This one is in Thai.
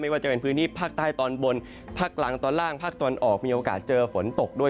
ว่าจะเป็นพื้นที่ภาคใต้ตอนบนภาคกลางตอนล่างภาคตะวันออกมีโอกาสเจอฝนตกด้วย